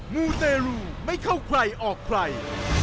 มูเตรูไม่เข้าใครออกใคร